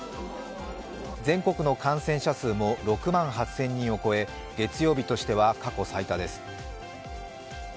全国の感染者数も６万８０００人を超え月曜日としては過去最多です。